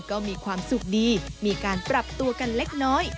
ก็มีความสุขดีมีการปรับตัวกันเล็กน้อย